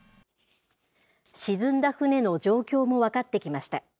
沈んだ船の状況も分かってきました。